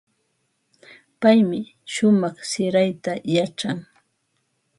Paymi shumaq sirayta yachan.